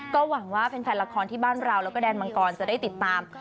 ก็หวังว่าแฟนละครที่บ้านเราแล้วก็แดนมังกรจะได้ติดตาม